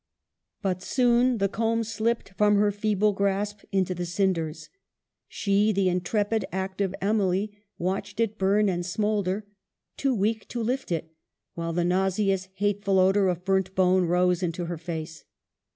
But soon the comb slipped from her feeble grasp into the cinders. She, the intrepid, active Emily, watched it burn and smoulder, too weak to lift it, while the nauseous, hateful odor of burnt bone rose into her face.